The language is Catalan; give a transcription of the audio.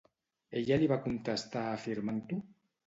Ella li va contestar afirmant-ho?